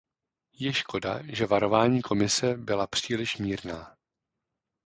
Je škoda, že varování Komise byla příliš mírná.